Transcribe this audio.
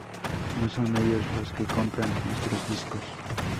No son ellos los que compran nuestros discos".